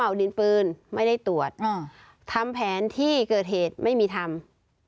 ดินปืนไม่ได้ตรวจทำแผนที่เกิดเหตุไม่มีทำ